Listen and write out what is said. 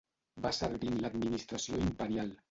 Va servir en l'Administració imperial.